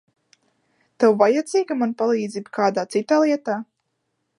Tev vajadzīga mana palīdzība kādā citā lietā?